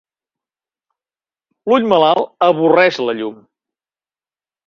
L'ull malalt avorreix la llum.